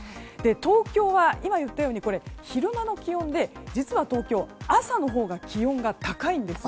東京は今言ったように昼間の気温で実は東京、朝のほうが気温が高いんです。